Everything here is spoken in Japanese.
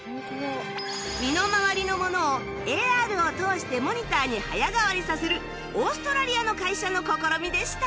身の回りのものを ＡＲ を通してモニターに早変わりさせるオーストラリアの会社の試みでした